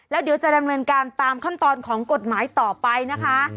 แล้วเดี๋ยวจะดำเนินการตามขั้นตอนของกฎหมายต่อไปนะคะ